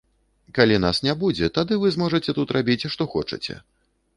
Калі нас не будзе, тады вы зможаце тут рабіць, што хочаце.